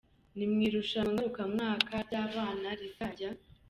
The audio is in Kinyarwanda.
Ni mu irushanwa ngarukamwaka ry'abana rizajya.